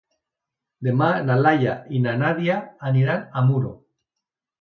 Demà na Laia i na Nàdia aniran a Muro.